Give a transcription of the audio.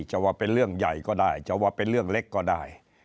จะว่าเป็นเรื่องใหญ่ก็ได้จะว่าเป็นเรื่องเล็กก็ได้